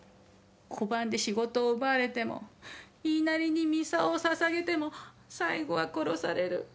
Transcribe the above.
拒んで仕事を奪われても言いなりに操を捧げても最後は殺される。